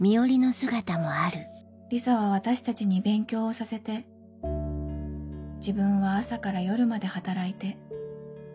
リサは私たちに勉強をさせて自分は朝から夜まで働いて。